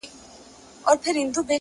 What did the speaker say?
هوښیار انسان فرصتونه ژر پېژني.!